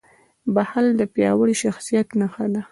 • بښل د پیاوړي شخصیت نښه ده.